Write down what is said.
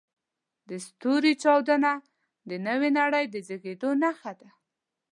د ستوري چاودنه د نوې نړۍ د زېږېدو نښه ده.